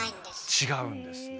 違うんですね。